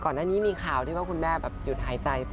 ก่อนหน้านี้มีข่าวที่ว่าคุณแม่แบบหยุดหายใจไป